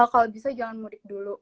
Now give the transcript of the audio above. kalau bisa jangan mudik dulu